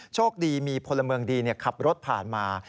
โชคดีมีพลเมืองดีขับรถผ่านมา